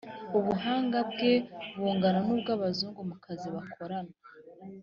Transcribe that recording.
ubuhanga bwe bungana n'ubw'abazungu mu kazi bakorana